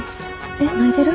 えっ泣いてる？